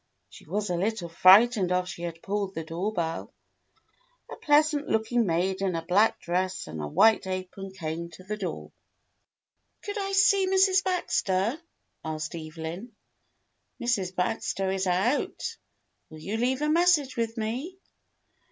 She was a little frightened after she had pulled the doorbell. A pleasant looking maid in a black dress and a white apron came to the door. JIM AND THE ORPHANS 115 "Could I see Mrs. Baxter?" asked Evelyn. "Mrs. Baxter is out. Will you leave a message with me.?"